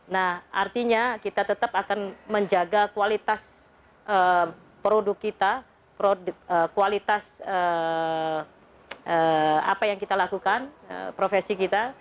nah artinya kita tetap akan menjaga kualitas produk kita kualitas apa yang kita lakukan profesi kita